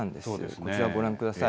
こちら、ご覧ください。